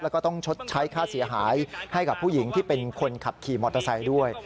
แล้วก็ต้องชดใช้ค่าเสียหายให้กับผู้หญิงที่เป็นคนขับขี่มอเตอร์ไซค์ด้วย